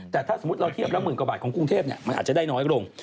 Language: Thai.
แต่ถ้าสมมุติเราเทียบแล้วหมื่นกว่าบาทของกรุงเทพมันอาจจะได้น้อยลง